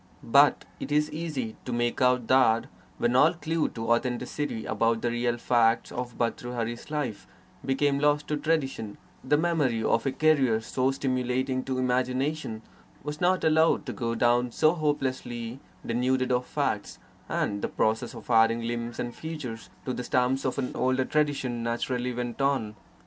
But it is easy to make out that, when all clue to authenticity about the real facts of Bhartrhari's life became lost to tradition, the memory of a career so stimulating to imagination was not allowed to go down so hopelessly denuded of facts, and the process of adding limbs and features to the stump of an older tradition naturally went on.